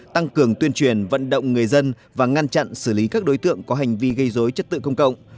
tăng cường tuyên truyền vận động người dân và ngăn chặn xử lý các đối tượng có hành vi gây dối chất tự công cộng